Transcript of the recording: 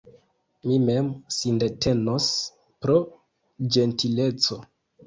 Mi mem sindetenos – pro ĝentileco.